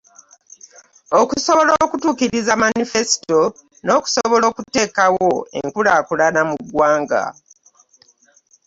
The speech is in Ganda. Okusobola okutuukiriza manifesito n'okusobola okuteekawo enkulaakulana mu ggwanga